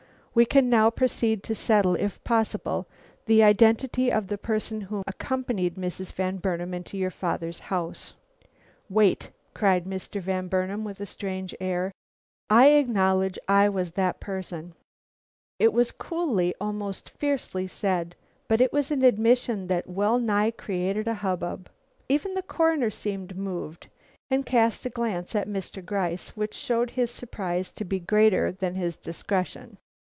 We can now proceed to settle, if possible, the identity of the person who accompanied Mrs. Van Burnam into your father's house." "Wait," cried Mr. Van Burnam, with a strange air, "I acknowledge I was that person." It was coolly, almost fiercely said, but it was an admission that wellnigh created a hubbub. Even the Coroner seemed moved, and cast a glance at Mr. Gryce which showed his surprise to be greater than his discretion.